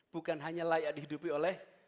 bukan hanya layak dihidupi oleh